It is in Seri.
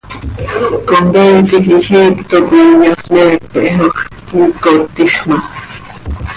Comcaii tiquij iicto coi iyasleepejoj, quiicot tiij ma.